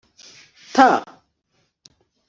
t